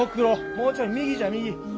もうちょい右じゃ右！